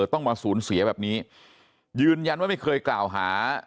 ต้องมาสูญเสียแบบนี้ยืนยันว่าไม่เคยกล่าวหา